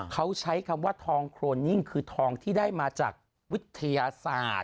เขาใช้คำว่าทองโครนิ่งคือทองที่ได้มาจากวิทยาศาสตร์